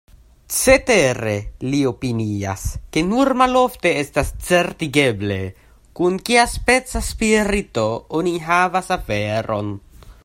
Cetere, li opinias, ke nur malofte estas certigeble, kun kiaspeca spirito oni havas aferon.